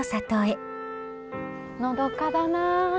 のどかだな。